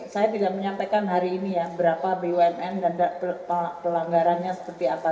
saya tidak menyampaikan hari ini ya berapa bumn dan pelanggarannya seperti apa